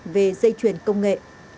về dây chuyển công nghệ